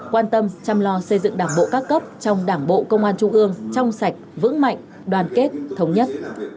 quan tâm chăm lo xây dựng đảng bộ các cấp trong đảng bộ công an trung ương trong sạch vững mạnh đoàn kết thống nhất